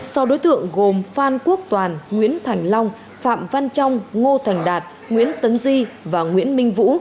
sau đối tượng gồm phan quốc toàn nguyễn thành long phạm văn trong ngô thành đạt nguyễn tấn di và nguyễn minh vũ